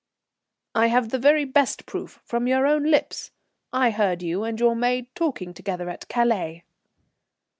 "I have the very best proof, from your own lips. I heard you and your maid talking together at Calais."